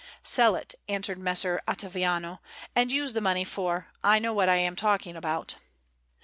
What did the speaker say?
"Sell it," answered Messer Ottaviano, "and use the money, for I know what I am talking about."